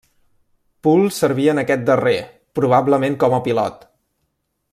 Poole servia en aquest darrer, probablement com a pilot.